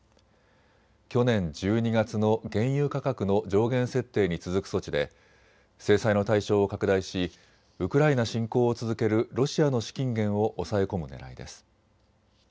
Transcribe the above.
去年１２月の原油価格の上限設定に続く措置で制裁の対象を拡大しウクライナ侵攻を続けるロシアの資金源を押さえ込むねらいです。